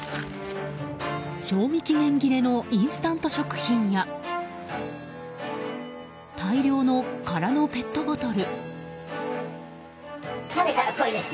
賞味期限切れのインスタント食品や大量の空のペットボトル。